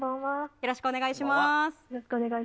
よろしくお願いします。